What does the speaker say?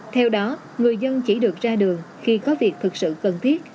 theo đó người dân chỉ được ra đường khi có việc thực sự cần thiết